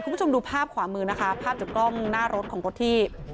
คุณผู้ชมดูภาพขวามือนะคะภาพจากกล้องหน้ารถของรถที่